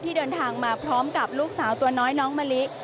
เดินทางมาพร้อมกับลูกสาวตัวน้อยน้องมะลิ